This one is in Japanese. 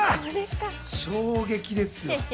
衝撃ですよ。